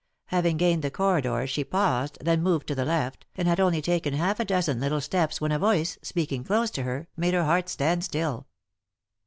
Having gained the corridor she paused, then moved to the left, and had only taken half a dozen little steps when a voice, speaking close to her, made her heart stand still.